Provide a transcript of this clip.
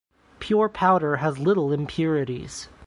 Pure powder has little impurities.